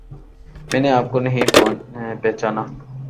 میں نے آپ کو نہیں پہچانا